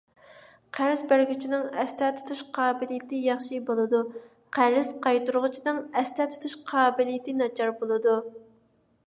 قەرز بەرگۈچىنىڭ ئەستە تۇتۇش قابىلىيىتى ياخشى بولىدۇ، قەرز قايتۇرغۇچىنىڭ ئەستە تۇتۇش قابىلىيىتى ناچار بولىدۇ.